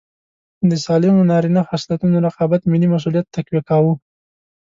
د سالمو نارینه خصلتونو رقابت ملي مسوولیت تقویه کاوه.